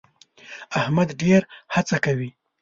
احمد ډېر هڅه کوي.